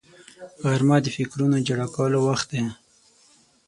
غرمه د فکرونو جلا کولو وخت دی